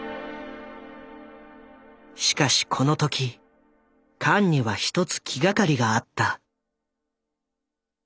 しかしこの時カンには１つ気がかりがあった。